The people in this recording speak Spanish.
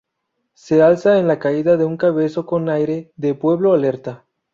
Se alza en la caída de un cabezo con aire de pueblo alerta.